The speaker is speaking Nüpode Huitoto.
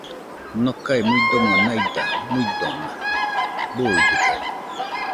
Nocae muidomo naida muidona, buidɨkaɨ